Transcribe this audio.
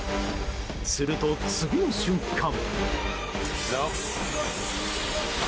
すると、次の瞬間。